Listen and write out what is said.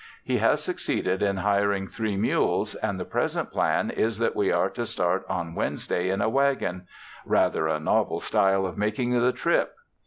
He has succeeded in hiring three mules, and the present plan is that we are to start on Wednesday in a wagon, Rather a novel style of making the trip!